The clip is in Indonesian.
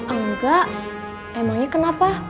enggak emangnya kenapa